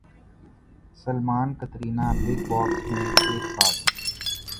Salman Katrina big باس میں ایک ساتھ